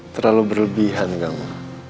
terlalu berlebihan kamu